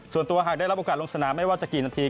ส่วนตัวหากได้รับโอกาสลงสนามไม่ว่าจะกี่นาที